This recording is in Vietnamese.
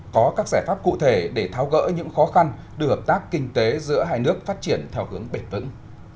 có các giải pháp cụ thể để tháo gỡ những khó khăn đưa hợp tác kinh tế giữa hai nước phát triển theo hướng bền vững